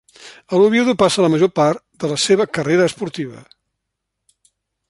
A l'Oviedo passa la major part de la seva carrera esportiva.